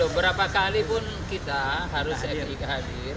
berapa kali pun kita harus kehadir